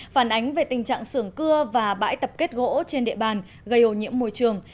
phản ánh về tình trạng sưởng cưa và bãi tập kết gỗ trên địa bàn gây ô nhiễm môi trường